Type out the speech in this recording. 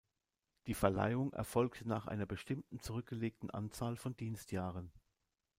Die Verleihung erfolgte nach einer bestimmten zurückgelegten Anzahl von Dienstjahren.